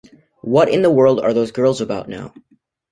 What in the world are those girls about now?